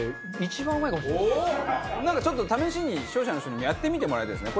なんかちょっと試しに視聴者の人にもやってみてもらいたいですね。